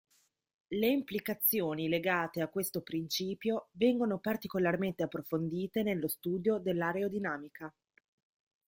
Le implicazioni legate a questo principio vengono particolarmente approfondite nello studio dell'aerodinamica.